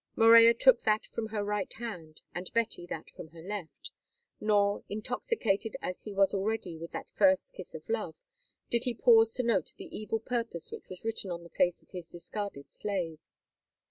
Morella took that from her right hand, and Betty that from her left, nor, intoxicated as he was already with that first kiss of love, did he pause to note the evil purpose which was written on the face of his discarded slave.